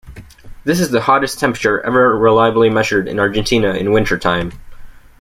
This is the hottest temperature ever reliably measured in Argentina in winter time.